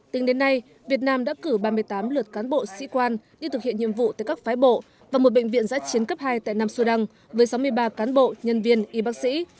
tính đến nay việt nam đã cử ba mươi tám lượt cán bộ sĩ quan đi thực hiện nhiệm vụ tới các phái bộ và một bệnh viện giã chiến cấp hai tại nam sudan với sáu mươi ba cán bộ nhân viên y bác sĩ